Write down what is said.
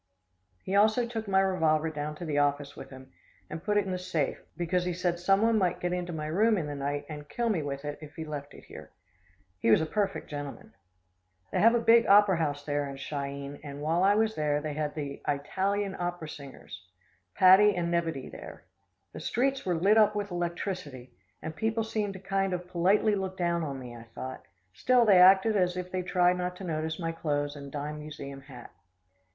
He also took my revolver down to the office with him and put it in the safe, because he said someone might get into my room in the night and kill me with it if he left it here. He was a perfect gentleman. They have a big opera house there in Chi eene, and while I was there they had the Eyetalian opera singers, Patty and Nevady there. The streets were lit up with electricity, and people seemed to kind of politely look down on me, I thought. Still, they acted as if they tried not to notice my clothes and dime museum hat.